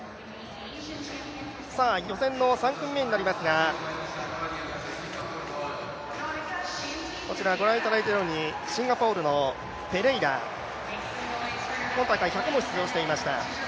予選の３組目になりますが、シンガポールのペレイラ、今大会１００も出場していました。